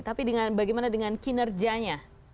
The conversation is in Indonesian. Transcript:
tapi bagaimana dengan kinerjanya